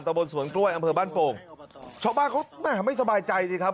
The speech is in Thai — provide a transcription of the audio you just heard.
บนสวนกล้วยอำเภอบ้านโป่งชาวบ้านเขาแม่ไม่สบายใจสิครับ